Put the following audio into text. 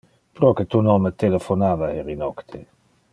Proque tu non me telephonava heri nocte?